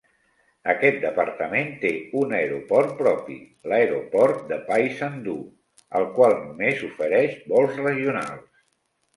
Aquest departament té un aeroport propi, l'aeroport de Paysandú, el qual només ofereix vols regionals.